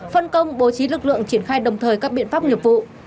phân công bố trí lực lượng triển khai đồng thời các biện pháp nghiệp vụ